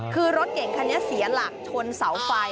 คือรถเก่งคันนี้เสียหลักชนเสาไฟ